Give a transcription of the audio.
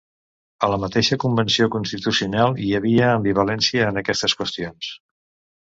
A la mateixa convenció constitucional hi havia ambivalència en aquestes qüestions.